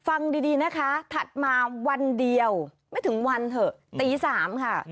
ฟังดีนะคะถัดมาวันเดียวไม่ถึงวันเถอะตี๓ค่ะ